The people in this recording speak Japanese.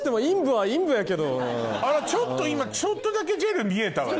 あらちょっと今ちょっとだけジェル見えたわよ。